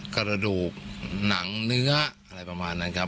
กระดูกหนังเนื้ออะไรประมาณนั้นครับ